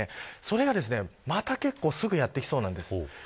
それがまた結構すぐやってきそうなんです。